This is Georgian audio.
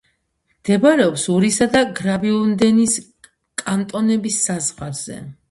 მდებარეობს ურისა და გრაუბიუნდენის კანტონების საზღვარზე.